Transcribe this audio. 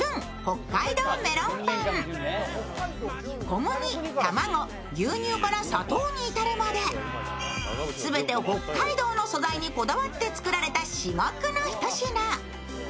小麦、卵、牛乳から砂糖に至るまで全て北海道の素材にこだわって作られた至極のひと品。